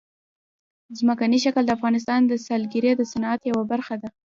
ځمکنی شکل د افغانستان د سیلګرۍ د صنعت یوه برخه ده.